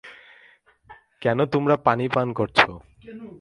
কেন তোমরা পানি পান করেছো?